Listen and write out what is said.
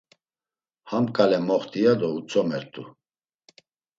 Ham ǩale moxt̆i, ya do utzomert̆u.